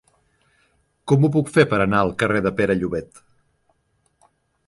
Com ho puc fer per anar al carrer de Pere Llobet?